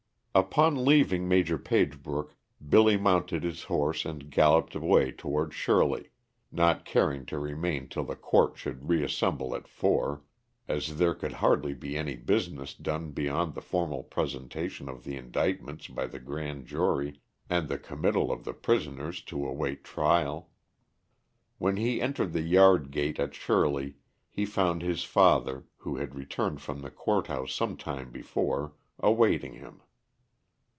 _ Upon leaving Major Pagebrook Billy mounted his horse and galloped away toward Shirley, not caring to remain till the court should reassemble at four, as there could hardly be any business done beyond the formal presentation of the indictments by the grand jury and the committal of the prisoners to await trial. When he entered the yard gate at Shirley he found his father, who had returned from the court house some time before, awaiting him.